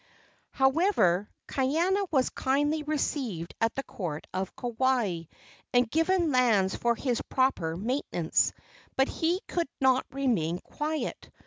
However, Kaiana was kindly received at the court of Kauai, and given lands for his proper maintenance. But he could not remain quiet.